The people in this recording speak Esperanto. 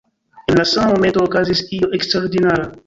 En la sama momento okazis io eksterordinara.